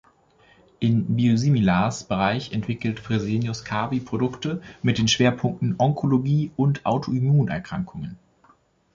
Im Biosimilars-Bereich entwickelt Fresenius Kabi Produkte mit den Schwerpunkten Onkologie und Autoimmunerkrankungen.